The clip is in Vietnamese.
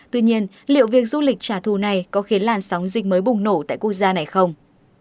tuy nhiên liệu việc du lịch trả thù này có khiến làn sóng dịch mới bùng nổ tại quốc gia này không